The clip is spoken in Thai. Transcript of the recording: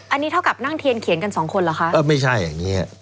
อันนี้เท่ากับนั่งเทียนเขียนกันสองคนเหรอคะเออไม่ใช่อย่างนี้